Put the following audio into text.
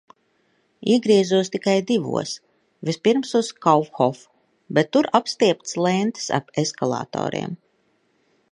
Iegriezos tikai divos. Vispirms uz Kaufhof. Bet tur apstieptas lentes ap eskalatoriem.